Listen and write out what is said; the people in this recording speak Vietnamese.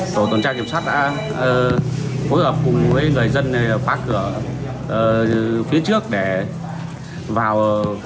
tổ tổn trang kiểm soát đã phối hợp cùng với người dân phá cửa phía trước để vào